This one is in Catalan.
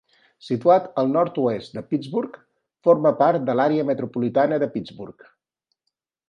Situat al nord-oest de Pittsburgh, forma part de l'àrea metropolitana de Pittsburgh.